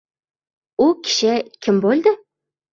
— U kishi kim bo‘ldi?